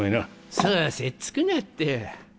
そうせっつくなって。